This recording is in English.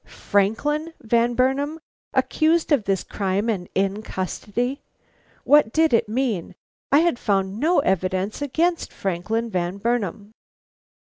Franklin Van Burnam accused of this crime and in custody! What did it mean? I had found no evidence against Franklin Van Burnam.